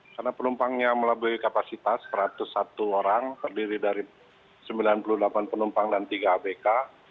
karena penumpangnya melebihi kapasitas satu ratus satu orang terdiri dari sembilan puluh delapan penumpang dan tiga abk